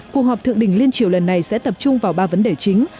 cuộc họp thượng đỉnh liên triều lần này sẽ tập trung vào ba vấn đề chính